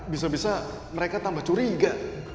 bisa bisa mereka tambah curiga